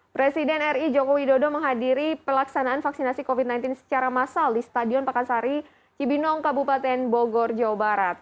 presiden ri joko widodo menghadiri pelaksanaan vaksinasi covid sembilan belas secara massal di stadion pakansari cibinong kabupaten bogor jawa barat